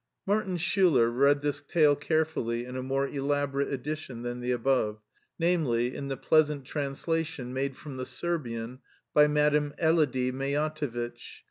Martin Schiiler read this tale carefully in a more elaborate edition than the above, namely, in the pleas ant translation made from the Serbian by Madame Elodie Mejatovitch.